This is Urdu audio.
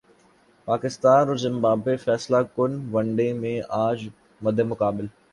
پاکستان اور زمبابوے فیصلہ کن ون ڈے میں اج مدمقابل